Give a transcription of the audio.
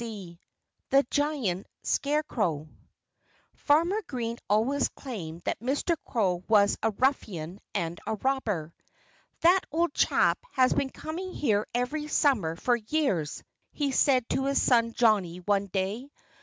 III THE GIANT SCARECROW Farmer Green always claimed that Mr. Crow was a ruffian and a robber. "That old chap has been coming here every summer for years," he said to his son Johnnie one day.